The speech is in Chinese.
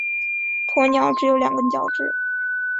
鸵鸟只有两根脚趾。